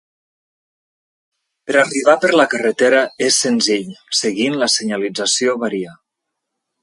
Per arribar per la carretera és senzill, seguint la senyalització varia.